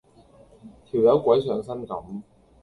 條友鬼上身咁